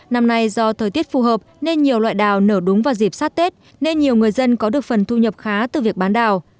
năm nay do thời tiết phù hợp nên nhiều loại đào nở đúng vào dịp sát tết nên nhiều người dân có được phần thu nhập khá từ việc bán đào